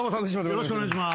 よろしくお願いします。